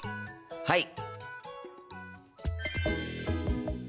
はい！